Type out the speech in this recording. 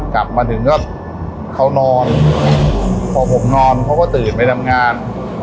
กลับมาถึงก็เขานอนพอผมนอนเขาก็ตื่นไปทำงาน